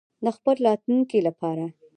د خپل راتلونکي لپاره.